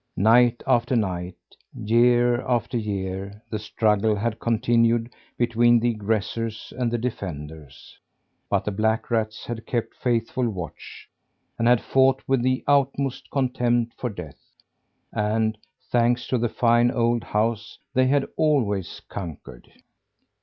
Night after night, year after year, the struggle had continued between the aggressors and the defenders; but the black rats had kept faithful watch, and had fought with the utmost contempt for death, and, thanks to the fine old house, they had always conquered.